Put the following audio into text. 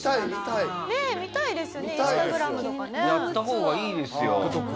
やった方がいいですよ。